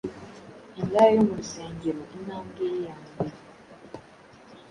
indaya yo mu rusengerointambwe ye ya mbere